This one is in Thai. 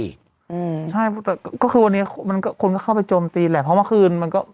อืมใช่แต่ก็คือวันนี้มันก็คนก็เข้าไปโจมตีแหละเพราะเมื่อคืนมันก็